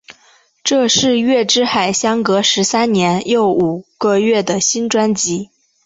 这是月之海相隔十三年又五个月的新专辑。